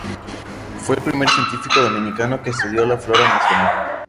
Fue el primer científico dominicano que estudió la flora nacional.